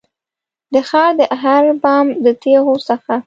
د ښار د هر بام د تېغو څخه